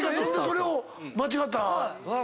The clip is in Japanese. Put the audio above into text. それを間違った。